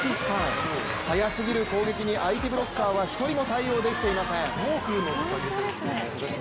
速すぎる攻撃に相手ブロッカーは１人も対応できていません。